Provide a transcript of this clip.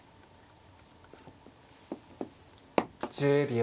１０秒。